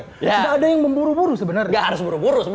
gak ada yang memburu buru sebenernya gak harus buru buru